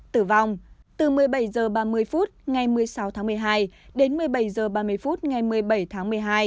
tử vong từ một mươi bảy h ba mươi phút ngày một mươi sáu tháng một mươi hai đến một mươi bảy h ba mươi phút ngày một mươi bảy tháng một mươi hai